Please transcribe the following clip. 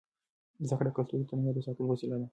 زده کړه د کلتوري تنوع د ساتلو وسیله ده.